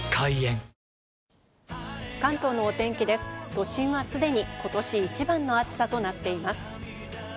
都心は既にことし一番の暑さとなっています。